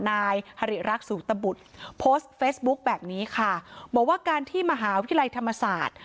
นายฮริรักษุตบุตรโพสต์เฟซบุ๊คแบบนี้ค่ะบอกว่าการที่มหาวิทยาลัยธรรมศาสตร์